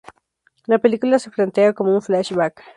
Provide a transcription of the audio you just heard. La película se plantea como un flashback.